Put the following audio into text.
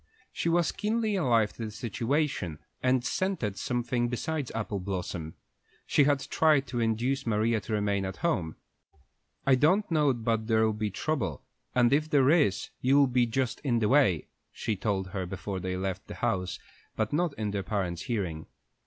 She was keenly alive to the situation, and scented something besides apple blossoms. She had tried to induce Maria to remain at home. "I don't know but there'll be trouble, and if there is, you'll be just in the way," she told her before they left the house, but not in their parents' hearing.